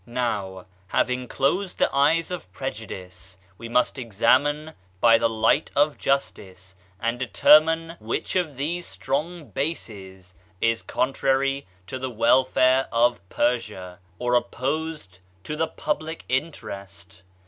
Now having closed the eyes of prejudice, we must examine by the light of justice, and determine which of these strong bases is contrary to the wel fare of Persia, or opposed to the public interest.